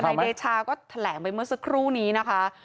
เดชาก็แถลงไปเมื่อสักครู่นี้นะคะ